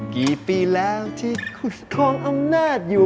กี่ปีแล้วที่ขุดคลองอำนาจอยู่